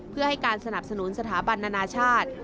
เพื่อให้การสนับสนุนสถาบันนานาชาติ